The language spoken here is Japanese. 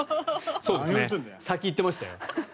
先に行ってましたよ。